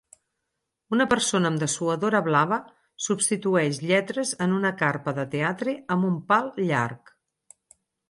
Una persona amb dessuadora blava substitueix lletres en una carpa de teatre amb un pal llarg.